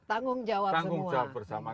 tanggung jawab semua